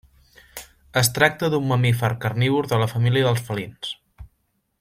Es tracta d'un mamífer carnívor de la família dels felins.